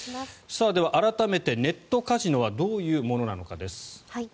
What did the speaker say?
では改めてネットカジノはどういうものなのかです。